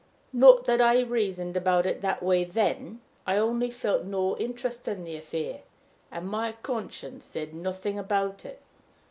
Not that I reasoned about it that way then; I only felt no interest in the affair; and my conscience said nothing about it.